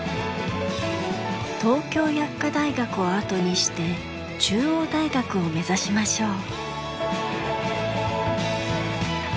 東京薬科大学を後にして中央大学を目指しましょう。